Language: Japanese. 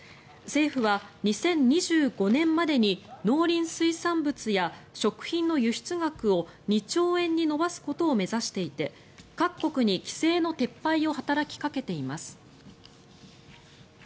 政府は２０２５年までに農林水産物や食品の輸出額を２兆円に伸ばすことを目指していて各国に規制の撤廃を働きかけています。